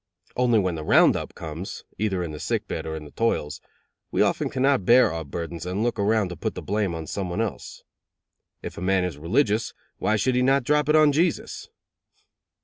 Only when the round up comes, either in the sick bed or in the toils, we often can not bear our burdens and look around to put the blame on someone else. If a man is religious, why should he not drop it on Jesus?